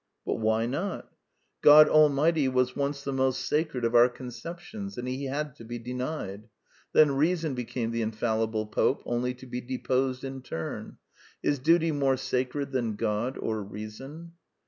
But why not? God 20 The Quintessence of Ibsenism Almighty was once the most sacred of our concep tions; and he had to be denied. Then Reason became the Infallible Pope, only to be deposed in turn. Is Duty more sacred than God or Reason?